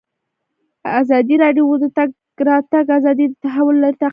ازادي راډیو د د تګ راتګ ازادي د تحول لړۍ تعقیب کړې.